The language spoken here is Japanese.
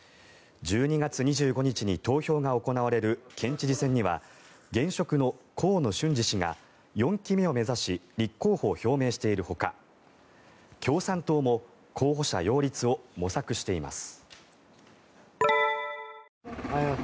１２月２５日に投票が行われる県知事選には現職の河野俊嗣氏が４期目を目指し立候補を表明しているほか共産党も候補者擁立を模索しています。